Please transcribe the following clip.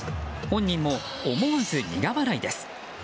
本人も思わず苦笑いです。